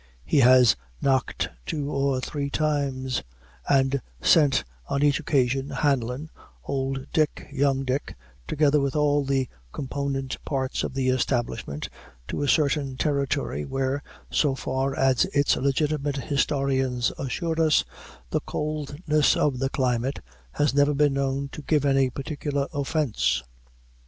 He has knocked two or three times, and sent, on each occasion, Hanlon, old Dick, young Dick, together with all the component parts of the establishment, to a certain territory, where, so far as its legitimate historians assure us, the coldness of the climate has never been known to give any particular offence.